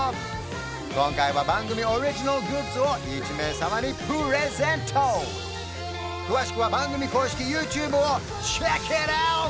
今回は番組オリジナルグッズを１名様にプレゼント詳しくは番組公式ＹｏｕＴｕｂｅをｃｈｅｃｋｉｔｏｕｔ！